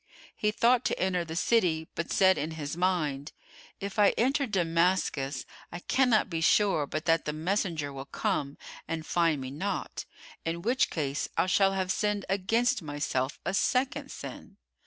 He thought to enter the city, but said in his mind, "If I enter Damascus, I cannot be sure but that the messenger will come and find me not, in which case I shall have sinned against myself a second sin."